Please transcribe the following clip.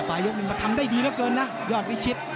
ปลายกลุ่มมันทำได้ดีเยอะเกินนะยอดวิชิต